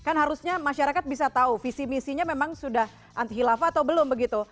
kan harusnya masyarakat bisa tahu visi misinya memang sudah anti khilafah atau belum begitu